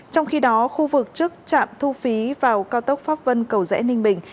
trong khi đó khu vực trước trạm thu phí vào cao tốc pháp vân cầu rẽ ninh bình